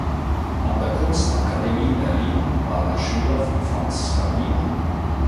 An der Kunstakademie Berlin war er Schüler von Franz Skarbina.